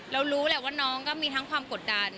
รู้แหละว่าน้องก็มีทั้งความกดดัน